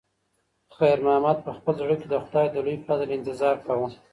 خیر محمد په خپل زړه کې د خدای د لوی فضل انتظار کاوه.